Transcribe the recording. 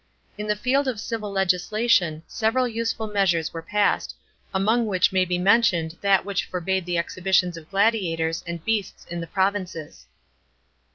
In the field of civil legis lation several useful measures were passed, among which may be mentioned that which forbade the exhibitions of gladiators and beasts in the provinces.